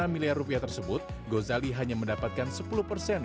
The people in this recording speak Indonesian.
dua belas enam miliar rupiah tersebut gozali hanya mendapatkan sepuluh persen